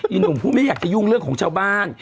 หนุ่มผู้ไม่อยากจะยุ่งเรื่องของชาวบ้าน